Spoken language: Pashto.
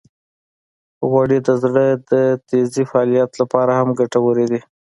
غوړې د زړه د تېزې فعالیت لپاره هم ګټورې دي.